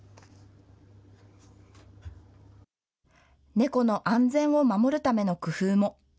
猫の安全を守るための工夫も。